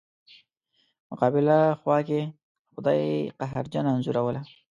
مقابله خوا کې خدای قهرجنه انځوروله.